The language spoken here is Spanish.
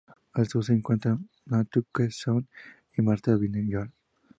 Al sur se encuentran Nantucket Sound, y Martha's Vineyard.